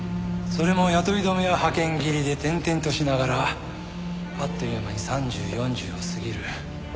それも雇い止めや派遣切りで転々としながらあっという間に３０４０を過ぎる。